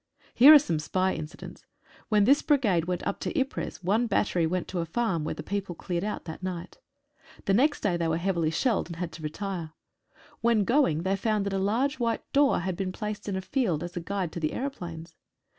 Here are some spy incidents: When this brigade went up to Ypres one battery went to a farm where the people cleared out that night. The next day they were heavily shelled, and had to retire. When going they found that a large white door had been placed in a field as a guide to the aeroplanes.